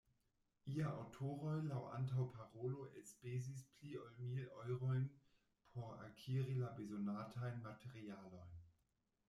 la aŭtoroj laŭ antaŭparolo elspezis pli ol mil eŭrojn por akiri la bezonatajn materialojn.